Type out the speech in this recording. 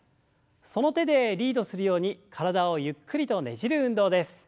その手でリードするように体をゆっくりとねじる運動です。